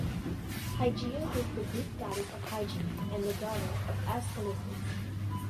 Hygieia was the Greek goddess of hygiene, and the daughter of Asclepius.